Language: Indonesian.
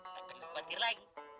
tak perlu khawatir lagi